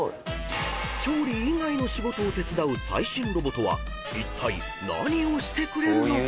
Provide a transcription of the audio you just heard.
［調理以外の仕事を手伝う最新ロボとはいったい何をしてくれるのか？］